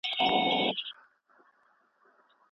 هغه د افغانستان د عظمت لپاره ډېرې هلې ځلې وکړې.